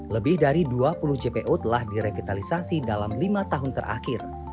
lebih dari dua puluh jpo telah direvitalisasi dalam lima tahun terakhir